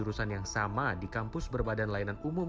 urusan yang sama di kampus berbadan layanan umum